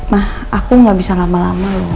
mah aku gak bisa lama lama loh